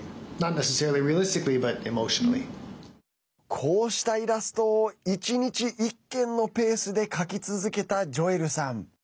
こうしたイラストを１日１軒のペースで描き続けたジョエルさん。